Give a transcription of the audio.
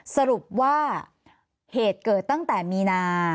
สรุปว่าเหตุเกิดตั้งแต่มีนา